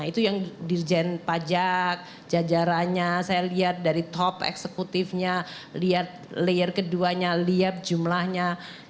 itu yang dirjen pajak jajarannya saya lihat dari top eksekutifnya lihat layer keduanya lihat jumlahnya